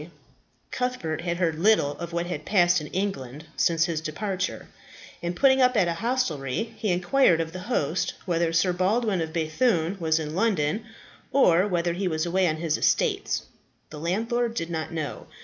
Beyond the main political incidents, Cuthbert had heard little of what had passed in England since his departure; and putting up at a hostelry, he inquired of the host whether Sir Baldwin of B‚thune was in London, or whether he was away on his estates. The landlord did not know.